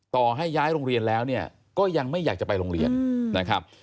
ต่อให้ย้ายโรงเรียนแล้วเนี่ยก็ยังไม่อยากจะไปโรงเรียนนะครับ